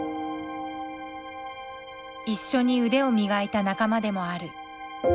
一緒に腕を磨いた仲間でもある。